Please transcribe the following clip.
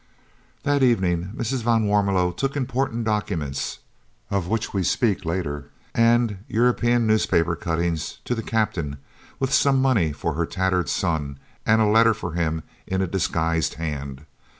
That evening Mrs. van Warmelo took important documents, of which we speak later, and European newspaper cuttings to the Captain, with some money for her tattered son, and a letter for him in a disguised hand.